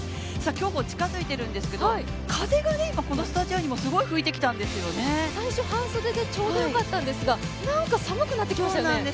競歩近づいているんですけど、風が今、このスタジアムにも最初、半袖でちょうどよかったんですがなんか寒くなってきましたよね。